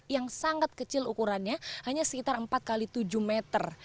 yang sangat kecil ukurannya hanya sekitar empat x tujuh meter